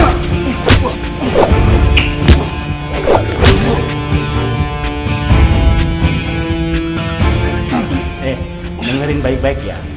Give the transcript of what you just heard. hei om ingerin baik baik ya